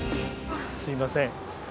すみません。